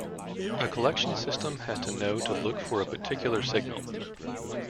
A collection system has to know to look for a particular signal.